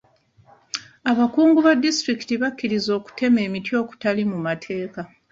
Abakungu ba disitulikiti bakkiriza okuteema emiti okutali mu maateeka.